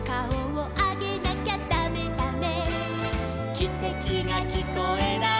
「きてきがきこえない」